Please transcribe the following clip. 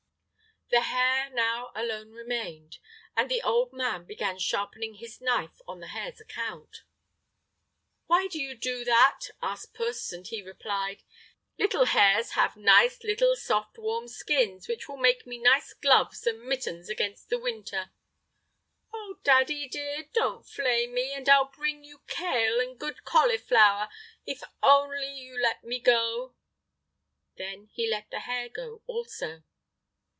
The hare now alone remained, and the old man began sharpening his knife on the hare's account. "Why do you do that?" asked puss, and he replied: "Little hares have nice little, soft, warm skins, which will make me nice gloves and mittens against the winter!" "Oh, daddy dear! Don't flay me, and I'll bring you kale and good cauliflower, if only you let me go!" Then he let the hare go also.